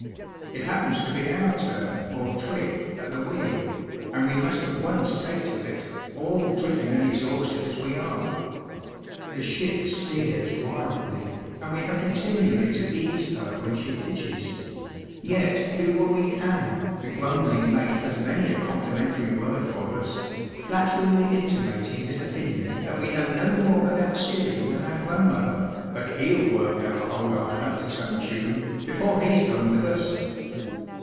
It happens to be our turn, or 'trick,' at the wheel, and we must at once take to it, all dripping and exhausted as we are. The ship steers wildly, and we have continually to ease her when she pitches; yet, do what we can, the grumbling mate has many a complimentary word for us, flatteringly intimating his opinion, that we 'know no more about steering than our grandmother; but he'll work our old iron up to some tune, before he's done with us!'